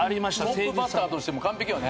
トップバッターとしても完璧よね。